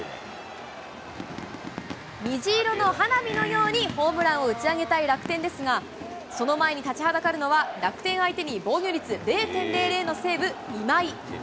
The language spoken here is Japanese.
虹色の花火のように、ホームランを打ち上げたい楽天ですが、その前に立ちはだかるのは、楽天相手に防御率０．００の西武、今井。